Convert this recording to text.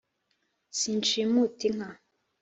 Sinshimuta inka